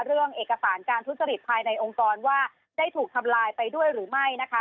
เรื่องเอกสารการทุจริตภายในองค์กรว่าได้ถูกทำลายไปด้วยหรือไม่นะคะ